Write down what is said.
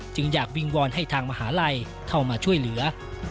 จึงอยากวิงวอนให้ทางมหาลัยเข้ามาช่วยเหลือ